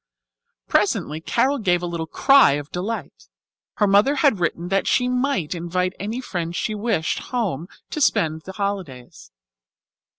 Presently Carol gave a little cry of delight. Her mother had written that she might invite any friend she wished home with her to spend the holidays.